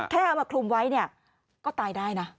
แค่เอามาคลุมไว้ก็ตายได้นะ